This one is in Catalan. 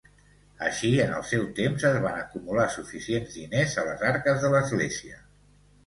Així, en el seu temps es van acumular suficients diners a les arques de l'Església.